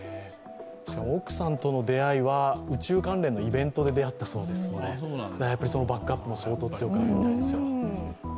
しかも奥さんとの出会いは宇宙関連のイベントで出会ったそうですので、バックアップも相当強かったと思いますよ。